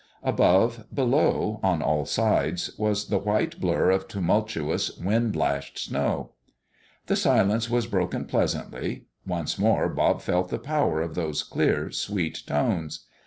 Above, below, on all sides, was the white blur of tumultuous, wind lashed snow. The silence was broken pleasantly. Once more Bob felt the power of those clear, sweet tones.